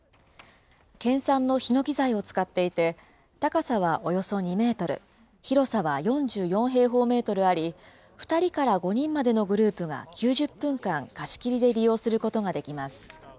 県産のひのき材を使っていて、高さはおよそ２メートル、広さは４４平方メートルあり、２人から５人までのグループが９０分間、貸し切りで利用することができます。